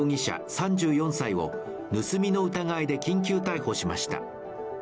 ３４歳を盗みの疑いで緊急逮捕しました。